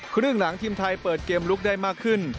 ครึ่งหลังทีมไทยเปิดเกมลุกได้มากขึ้น